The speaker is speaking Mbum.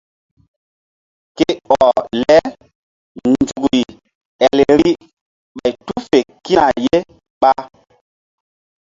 Ke ɔh le nzukri el vbi ɓay tu fe kína ye ɓa.